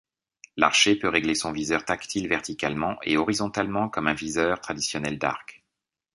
L'archer peut régler son viseur tactile verticalement et horizontalement comme un viseur traditionnel d'arc.